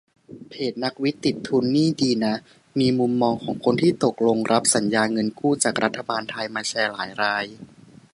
เพจ "นักวิทย์ติดทุน" นี่ดีนะ มีมุมมองของคนที่ตกลงรับสัญญาเงินกู้จากรัฐบาลไทยมาแชร์หลายราย